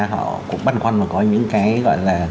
họ cũng băn khoăn và có những cái gọi là